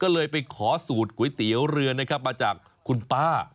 ก็เลยไปขอสูตรก๋วยเตี๋ยวเรือนะครับมาจากคุณป้า